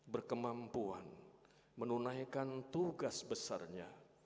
berkemampuan menunaikan tugas besarnya